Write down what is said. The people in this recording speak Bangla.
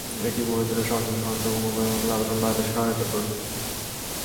এটি বহিঃদলীয় সদস্যদের সনাক্ত করতে এবং উভয়ের মধ্যে ব্যবধান বাড়াতে সহায়তা করে।